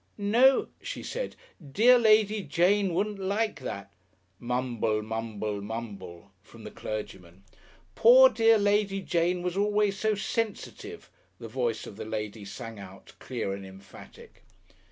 "No," she said, "dear Lady Jane wouldn't like that!" "Mumble, mumble, mumble," from the clergyman. "Poor dear Lady Jane was always so sensitive," the voice of the lady sang out clear and emphatic.